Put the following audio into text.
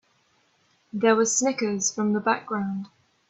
There were snickers from the background.